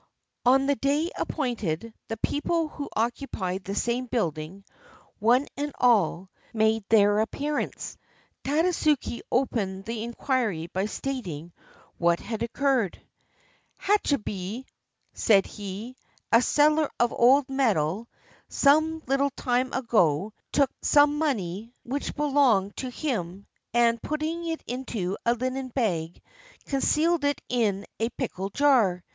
On the day appointed, the people who occupied the same building, one and all, made their appearance. Tadasuke opened the inquiry by stating what had occurred. "Hachibei," said he, "a seller of old metal, 372 TADASUKE, THE JAPANESE SOLOMON some little time ago took some money which belonged to him and, putting it into a linen bag, concealed it in a pickle jar.